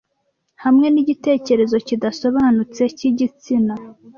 Hamwe nigitekerezo kidasobanutse cyigitsina,